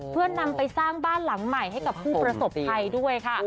เพื่อนำไปสร้างบ้านหลังใหม่ให้กับผู้ประสบภัยด้วยค่ะ